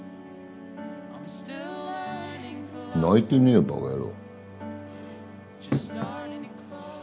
泣いてねえよバカ野郎。